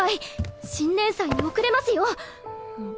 新年祭に遅れますよ！